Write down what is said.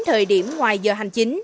thời điểm ngoài giờ hành chính